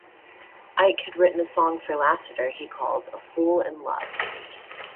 Ike had written a song for Lassiter he called "A Fool in Love".